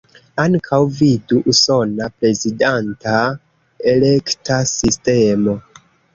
Ankaŭ vidu Usona Prezidanta Elekta Sistemo.